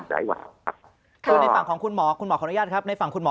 ในฝั่งของคุณหมอคุณหมอขออนุญาตครับในฝั่งคุณหมอ